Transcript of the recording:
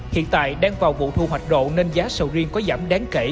hiện tại đang vào vụ thu hoạch độ nên giá sầu riêng có giảm đáng kể